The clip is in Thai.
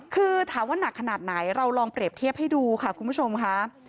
คือถามว่านักขนาดไหนเราลองเปรียบเทียบให้ดูค่ะคุณผู้ชมค่ะ